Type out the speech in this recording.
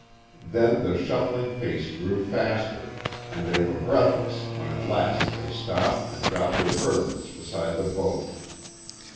Then the shuffling pace grew faster, and they were breathless when at last they stopped and dropped their burdens beside the boat.